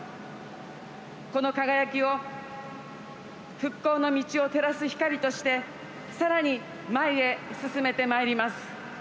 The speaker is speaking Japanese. この輝きを復興の道を照らす光としてさらに前へ進めてまいります。